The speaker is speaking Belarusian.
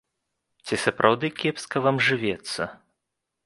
Ці сапраўды кепска вам жывецца?